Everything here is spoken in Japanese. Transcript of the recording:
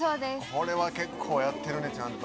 これは結構やってるねちゃんと。